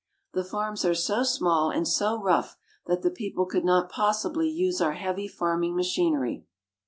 The farms are so small and so rough that the people could not possibly use our heavy farming machinery.